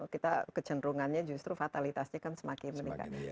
dan kita kecenderungannya justru fatalitasnya kan semakin meningkat